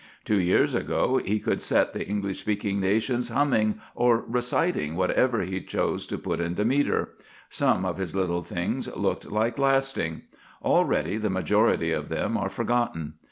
Two years ago he could set the English speaking nations humming or reciting whatever he chose to put into metre. Some of his little things looked like lasting. Already the majority of them are forgotten.